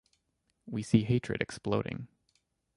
We see hatred exploding.